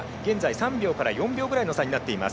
３秒から４秒ぐらいの差です。